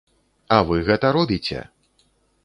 А вы гэта робіце!